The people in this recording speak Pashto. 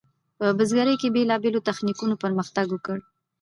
په بزګرۍ کې بیلابیلو تخنیکونو پرمختګ وکړ.